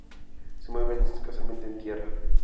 Se mueven escasamente en tierra.